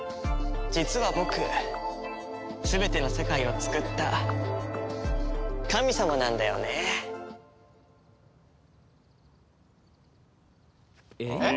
実は僕全ての世界をつくった神様なんだよね。えっ？